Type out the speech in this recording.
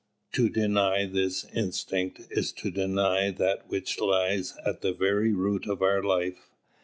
To deny this instinct is to deny that which lies at the very root of our life.